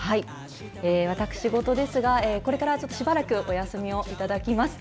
私事ですがこれからしばらくお休みをいただきます。